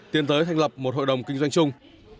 tiến tới thành lập một hội đồng kinh doanh chung